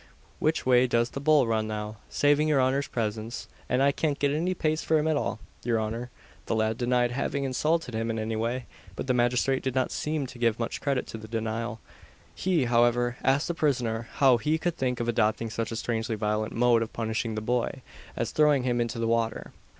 which way does the bull run now?' saving your honour's presence; and I can't get any pace for him at all, your honour." The lad denied having insulted him in any way; but the magistrate did not seem to give much credit to this denial. He, however, asked the prisoner how he could think of adopting such a strangely violent mode of punishing the boy, as throwing him into the water.